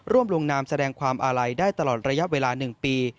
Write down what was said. ลงนามแสดงความอาลัยได้ตลอดระยะเวลา๑ปี